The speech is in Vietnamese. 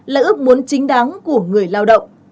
là ước muốn chính đáng của các đối tượng